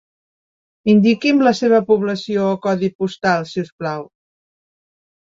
Indiqui'm la seva població o codi postal si us plau.